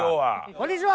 こんにちは！